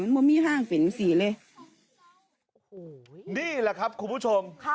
นี่แหละครับคุณผู้ชม